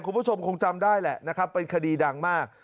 คุณผู้ชมคงจำได้แหละนะครับเป็นคดีดังมาก